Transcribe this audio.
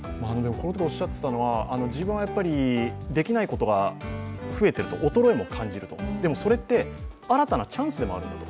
このときおっしゃっていたのは、自分はできないことが増えている、衰えも感じる、でも、それって新たなチャンスでもあるんだと。